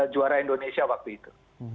juara indonesia waktu itu